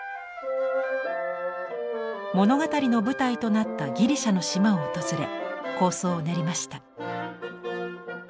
物語の舞台となったギリシャの島を訪れ構想を練りました。